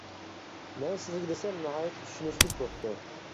مەن سىزگە دېسەم ناھايىتى چۈشىنىشلىك بوپتۇ.